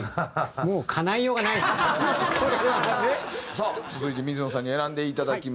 さあ続いて水野さんに選んでいただきました